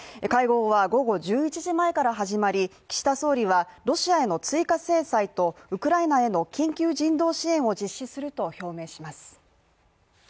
会合は午後１１時前から始まり岸田総理はロシアへの追加制裁とウクライナへの緊急人道支援を実施すると表明します。